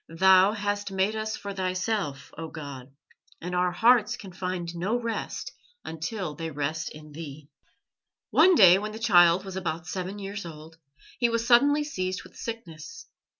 "Thou hast made us for Thyself, O God, and our hearts can find no rest until they rest in Thee." One day, when the child was about seven years old, he was suddenly seized with sickness.